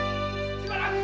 しばらく！